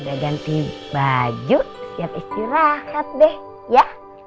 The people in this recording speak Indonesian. udah ganti baju siap istirahat deh ya